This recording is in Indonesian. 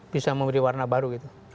bisa memberi warna baru